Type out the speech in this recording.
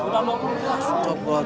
mas kamu mau berjalan kaki